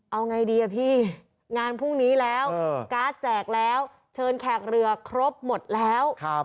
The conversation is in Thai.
เอาไงดีอะพี่งานพรุ่งนี้แล้วการ์ดแจกแล้วเชิญแขกเรือครบหมดแล้ว